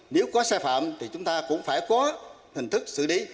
nếu có sai phạm thì chúng ta cũng phải có hình thức xử lý